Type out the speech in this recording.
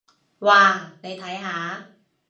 哇，你睇下！